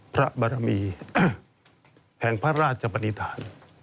พระบรมีแห่งพระราชปฏิฐาน